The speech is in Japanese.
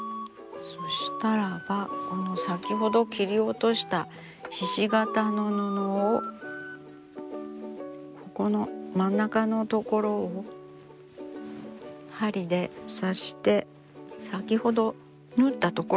そしたらばこの先ほど切り落としたひし形の布をここの真ん中の所を針で刺して先ほど縫った所ですよね